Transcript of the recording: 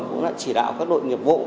cũng đã chỉ đạo các đội nghiệp vụ